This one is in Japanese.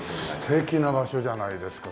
素敵な場所じゃないですか。